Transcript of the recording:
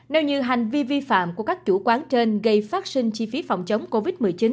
nếu như hành vi vi phạm của các chủ quán trên gây phát sinh chi phí phòng chống covid một mươi chín